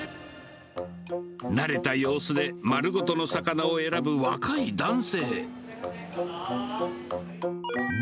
慣れた様子で、丸ごとの魚を選ぶ若い男性。